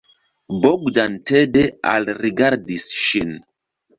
Bogdan tede alrigardis ŝin.